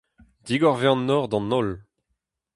Digor 'vez an nor d'an holl.